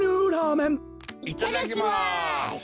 いただきます！